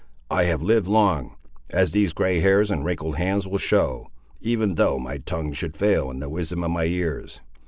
I have lived long, as these grey hairs and wrinkled hands will show, even though my tongue should fail in the wisdom of my years.